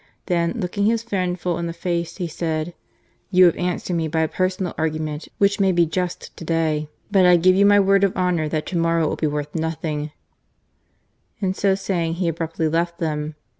Then, looking his friend full in the face, he said, You have answered me by a personal argument which may be just to day. But I give you my word of honour that to morrow it will be worth nothing ;" and so saying, he abruptly left them.